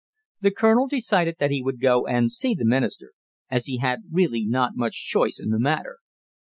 The colonel decided that he would go and see the Minister, as he had really not much choice in the matter.